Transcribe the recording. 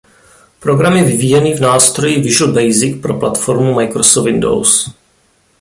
Program je vyvíjený v nástroji Visual Basic pro platformu Microsoft Windows.